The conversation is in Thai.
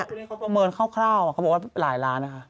เขาประเมินคร่าวหรือหลายล้านนะคะ